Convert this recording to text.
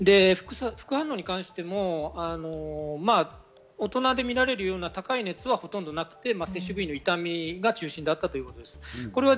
副反応に関しても大人で見られるような高い熱はほとんどなくて接触部の痛みが中心だったということです。